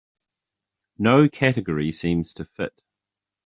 No category seems to fit.